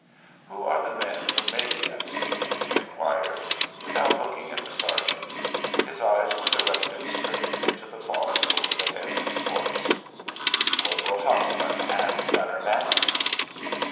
"Who are the men who made that statement?" he inquired, without looking at the sergeant; his eyes were directed straight into the fog over the head of his horse. "Corporal Hassman and Gunner Manning."